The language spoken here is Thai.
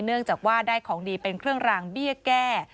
เนื่องจากว่าได้ของดีเป็นเครื่องรางเบี้ยแก้